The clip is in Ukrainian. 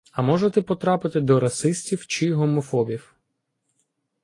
А можете потрапити до расистів чи гомофобів